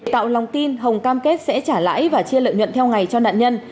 tạo lòng tin hồng cam kết sẽ trả lãi và chia lợi nhuận theo ngày cho nạn nhân